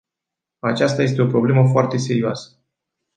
Aceasta este o problemă foarte serioasă.